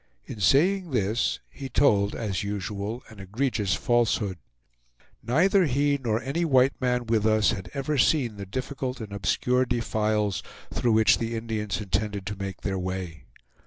In saying this, he told as usual an egregious falsehood. Neither he nor any white man with us had ever seen the difficult and obscure defiles through which the Indians intended to make their way.